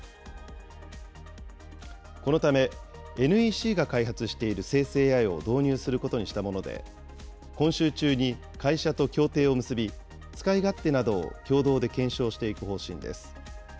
このため、ＮＥＣが開発している生成ＡＩを導入することにしたもので、今週中に会社と協定を結び、使い勝手などを共同で検証していく方針です。